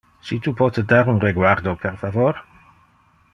Si tu pote da un reguardo per favor.